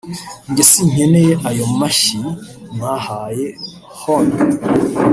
“ Jye sinkeneye ayo mashyi mwahaye Hon